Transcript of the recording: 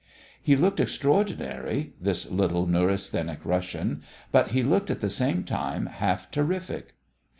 He looked extraordinary, this little, neurasthenic Russian, but he looked at the same time half terrific.